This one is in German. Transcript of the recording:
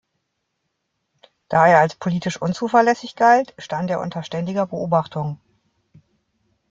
Da er als politisch „unzuverlässig“ galt, stand er unter ständiger Beobachtung.